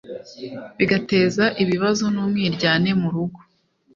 bigateza ibibazo n'umwiryane mu rugo.